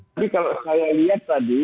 tapi kalau saya lihat tadi